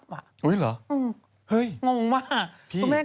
อุ๊ยเหรอไห้งงมากฃ